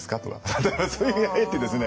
だからそれで入ってですね